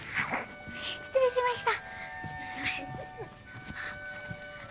失礼しました。